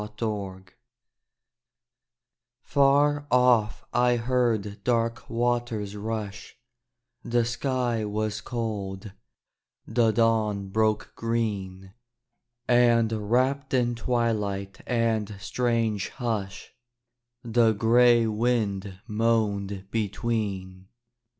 AT DAWN Far off I heard dark waters rush: The sky was cold: the dawn broke green: And wrapped in twilight and strange hush The gray wind moaned between.